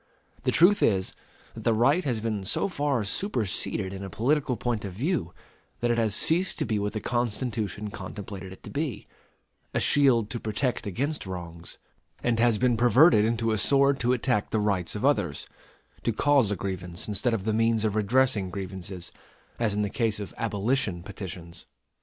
The truth is, that the right has been so far superseded in a political point of view, that it has ceased to be what the Constitution contemplated it to be, a shield to protect against wrongs; and has been perverted into a sword to attack the rights of others to cause a grievance instead of the means of redressing grievances, as in the case of abolition petitions.